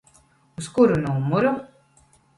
Uz kuru numuru?